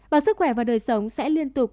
báo sức khỏe và đời sống sẽ liên tục